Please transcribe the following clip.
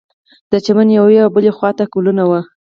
د چمن یوې او بلې خوا ته ګلونه وه.